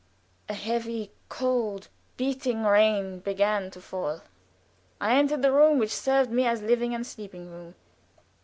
A heavy, cold, beating rain began to fall. I entered the room which served me as living and sleeping room.